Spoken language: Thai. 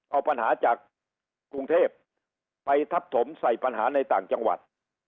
เอาปัญหาจากกรุงเทพไปทับถมใส่ปัญหาในต่างจังหวัด